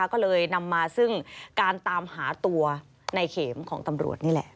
ก็เลยนำมาซึ่งการตามหาตัวในเข็มของตำรวจนี่แหละ